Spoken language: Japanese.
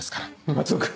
松尾君